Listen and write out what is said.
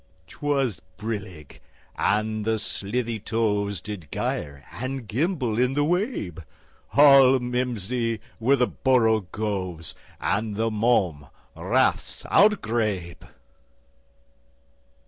'T was brillig, and the slithy tovesDid gyre and gimble in the wabe; All mimsy were the borogoves, And the mome raths outgrabe.